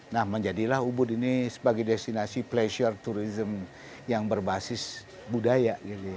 nah menjadilah ubud ini sebagai destinasi pleasure tourism yang berbasis budaya